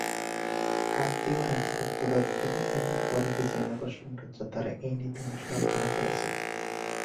কাকতীয় রাজ্যের উত্তরাধিকারী এবং পরে বিজয়নগর সাম্রাজ্যের দ্বারা এই নীতি অনুসরণ করা হয়েছিল।